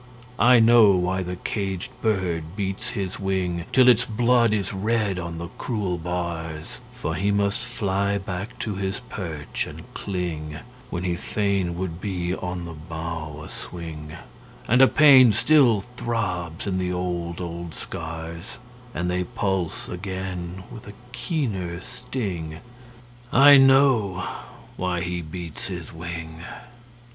I know why the caged bird beats his wing Till its blood is red on the cruel bars; For he must fly back to his perch and cling When he fain would be on the bough a swing; And a pain still throbs in the old, old scars And they pulse again with a keener sting I know why he beats his wing!